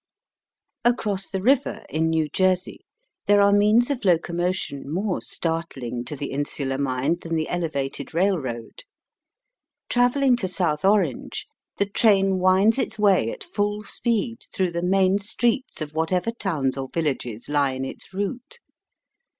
Across the river, in New Jersey, there are means of locomotion more startKng to the insular mind than the Elevated Kailroad. Travelling to South Orange, the train winds its way at full speed through the main streets of whatever towns or villages lie in its route.